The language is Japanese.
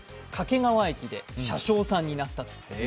掛川駅で車掌さんになったと。